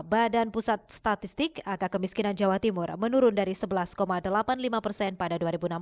badan pusat statistik angka kemiskinan jawa timur menurun dari sebelas delapan puluh lima persen pada dua ribu enam belas